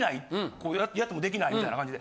こうやってもできないみたいな感じで。